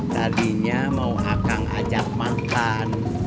tadinya mau akang ajak mantan